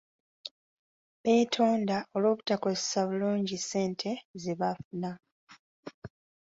Beetonda olw'obutakozesa bulungi ssente ze baafuna.